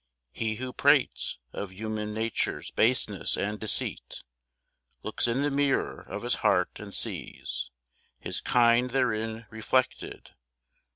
He who prates Of human nature's baseness and deceit Looks in the mirror of his heart, and sees His kind therein reflected.